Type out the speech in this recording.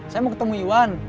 saya mau ketemu iwan